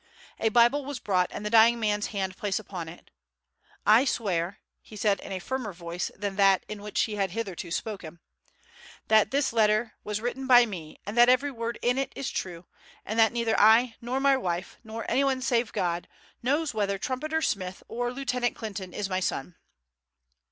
A Bible was brought and the dying man's hand placed upon it. "I swear," he said in a firmer voice than that in which he had hitherto spoken, "that this letter was written by me and that every word in it is true, and that neither I nor my wife, nor anyone save God, knows whether Trumpeter Smith or Lieutenant Clinton is my son."